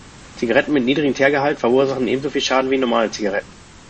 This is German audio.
Zigaretten mit niedrigem Teergehalt verursachen ebenso viel Schaden wie normale Zigaretten.